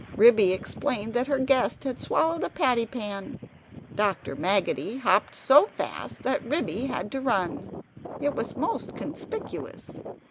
Ribby explained that her guest had swallowed a patty pan. Dr. Maggotty hopped so fast that Ribby had to run. It was most conspicuous.